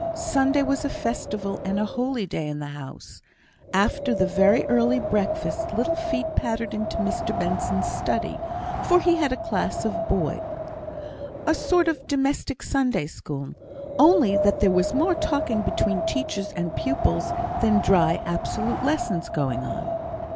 Sunday was a festival and a holy day in the house. After the very early breakfast, little feet pattered into Mr Benson's study, for he had a class for boys a sort of domestic Sunday school, only that there was more talking between teacher and pupils, than dry, absolute lessons going on.